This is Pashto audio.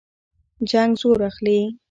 جنګ زور اخلي.